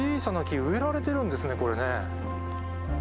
あっ、小さな木、植えられてるんですね、これね。